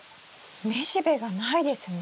雌しべがないですね。